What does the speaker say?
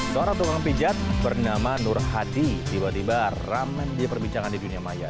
suara tukang pijat bernama nur hadi tiba tiba ramen di perbincangan di dunia maya